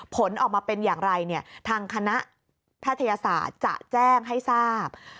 ผลออกมาเป็นอย่างไรเนี่ยทางคณะแพทยศาสตร์จะแจ้งให้ทราบ